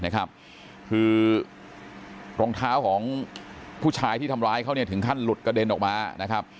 คือรองเท้าของผู้ชายที่ทำร้ายเขาถึงขั้นหลุดกระเด็นออกมานะครับ